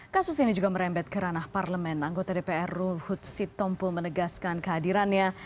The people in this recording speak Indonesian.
kasus ini juga merembet kerana parlemen anggota dpr ruhut sitompul menegaskan kehadirannya